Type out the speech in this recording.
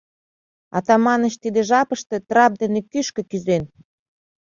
Атаманыч тиде жапыште трап дене кӱшкӧ кӱзен.